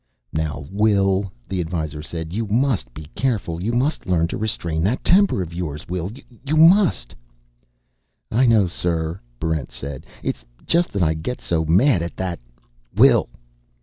"Now, Will," the Advisor said, "you must be careful. You must learn to restrain that temper of yours. Will, you must!" "I know, sir," Barrent said. "It's just that I get so mad at that " "Will!"